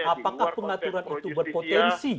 apakah pengaturan itu berpotensi